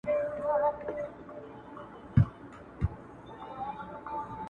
رسنۍ د ځوانانو فکر بدلوي